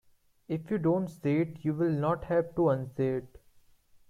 If you don't say it you will not have to unsay it.